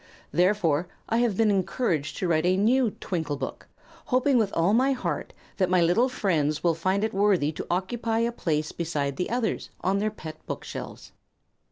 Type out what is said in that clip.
Therefore I have been encouraged to write a new "TWINKLE BOOK," hoping with all my heart that my little friends will find it worthy to occupy a place beside the others on their pet bookshelves.